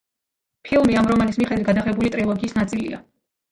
ფილმი ამ რომანის მიხედვით გადაღებული ტრილოგიის ნაწილია.